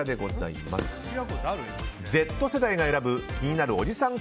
Ｚ世代が選ぶ気になるおじさん